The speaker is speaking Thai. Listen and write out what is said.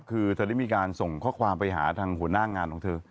คือเธอได้มีการส่งข้อความไปหาทางหัวหน้างานของเธอ